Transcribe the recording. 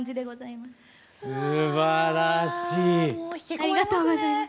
ありがとうございます。